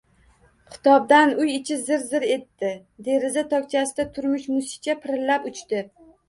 Xitobdan uy ichi zir-zir etdi. Deraza tokchasida turmish musicha pirillab uchdi.